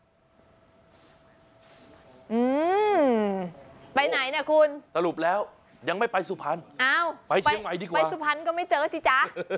อืมไปไหนเนี่ยคุณสรุปแล้วยังไม่ไปสุพรรณอ้าวไปเชียงใหม่ดีกว่าไปสุพรรณก็ไม่เจอสิจ๊ะ